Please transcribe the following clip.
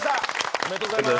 おめでとうございます。